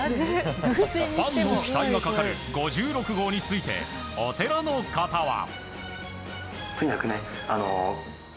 ファンの期待がかかる５６号についてお寺の方は。